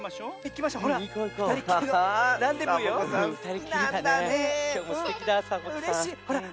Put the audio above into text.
きょうもすてきだサボ子さん。